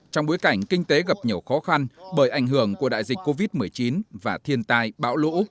trong bối cảnh kinh tế gặp nhiều khó khăn bởi ảnh hưởng của đại dịch covid một mươi chín và thiên tai bão lũ